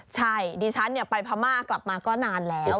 ใช่ดิฉันไปพม่ากลับมาก็นานแล้ว